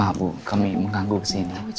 maaf bu kami mengganggu kesini